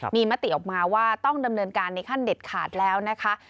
มีมติออกมาว่าต้องดำเนินการในขั้นเด็ดขาดแล้วนะคะ